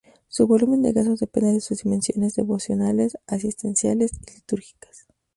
Su volumen de gastos depende de sus dimensiones devocionales, asistenciales y litúrgicas.